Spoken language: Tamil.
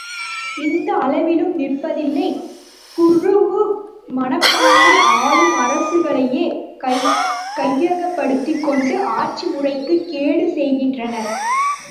இந்த அளவிலும் நிற்பதில்லை, குழூஉ மனப்பான்மை ஆளும் அரசுகளையே கையகப்படுத்திக் கொண்டு ஆட்சி முறைக்குக் கேடு செய்கின்றனர்.